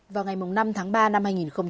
vào ngày năm tháng ba năm hai nghìn một mươi sáu